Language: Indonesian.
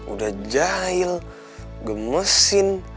udah jahil gemesin